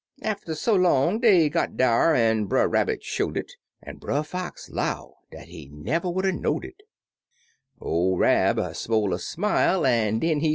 Atter so long dey got dar, an' Brer Rabbit show'd it. An' Brer Fox 'low dat he never would 'a' know'd it ; or Rab smoie a smile, an' den he to!"